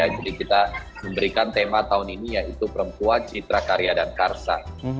jadi kita memberikan tema tahun ini yaitu perempuan citra karya dan karsa